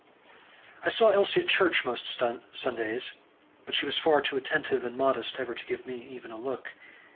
I saw Elsie at church most Sundays; but she was far too attentive and modest ever to give me even a look.